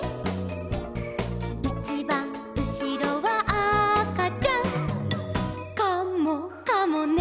「いちばんうしろはあかちゃん」「カモかもね」